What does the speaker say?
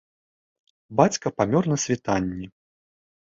Бацька памёр на світанні.